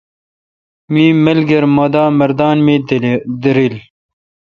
می ملگر مہ دا مردان می دیرل۔